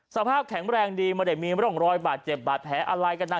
สภาพแข็งแรงดีมันอโรงรอยบาดเจ็บบาดแผลอะไรกำนักกินข้าวกัน